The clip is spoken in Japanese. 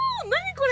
これ？